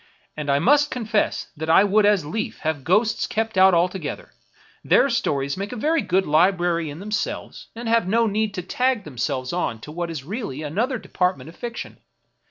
And I must confess that I would as lief have ghosts kept out altogether ; their stories make a very good library in themselves, and have no need to tag themselves on to what is really another department of fiction.